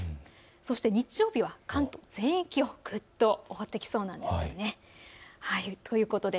そして日曜日は関東全域をぐっと覆ってきそうです。